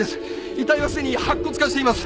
遺体はすでに白骨化しています。